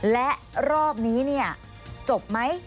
และรอบนี้จบไหม